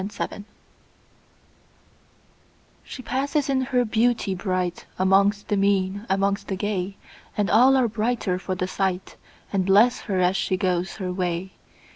1840 The Secret SHE passes in her beauty brightAmongst the mean, amongst the gay, And all are brighter for the sight, And bless her as she goes her way.